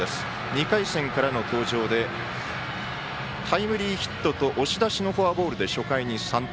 ２回戦からの登場でタイムリーヒットと押し出しのフォアボールで初回に３点。